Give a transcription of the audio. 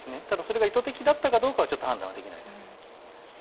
ただそれが意図的だったかどうかは判断できないです。